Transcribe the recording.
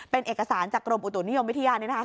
เป็นเอกสารจากกรมอุตุนิยมวิทยานี่นะคะ